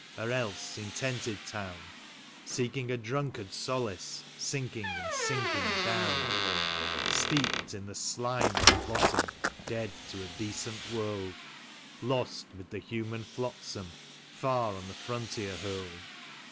or else in the tented town Seeking a drunlvard's solace, sinking and sinking down; Steeped in the slime at the bottom, dead to a decent world, Lost 'mid the human flotsam, far on the frontier hurled ;%* 8 THE LAW OF THE YUKON.